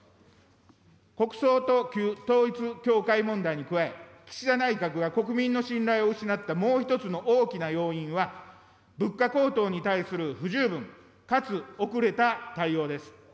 国葬と旧統一教会問題に加え、岸田内閣が国民の信頼を失ったもう一つの大きな要因は、物価高騰に対する不十分かつ遅れた対応です。